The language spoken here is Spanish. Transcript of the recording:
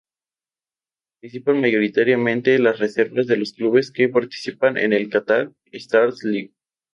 Participan mayoritariamente las reservas de los clubes que participan en la Qatar Stars League.